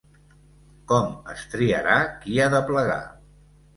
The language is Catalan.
Com es triarà qui ha de plegar?